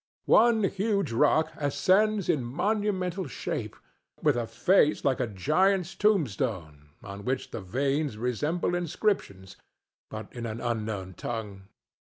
One huge rock ascends in monumental shape, with a face like a giant's tombstone, on which the veins resemble inscriptions, but in an unknown tongue.